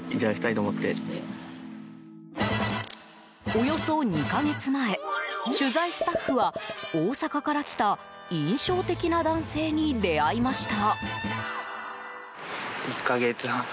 およそ２か月前取材スタッフは大阪から来た印象的な男性に出会いました。